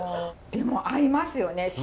でも合いますよね。